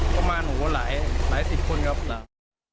ประมาณผมว่าหลายหลายสิบคนครับครับ